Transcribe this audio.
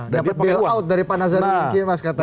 dapat bail out dari pan hazard minkir mas katanya